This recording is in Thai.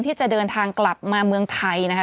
ที่จะเดินทางกลับมาเมืองไทยนะคะ